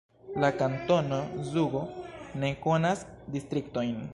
La kantono Zugo ne konas distriktojn.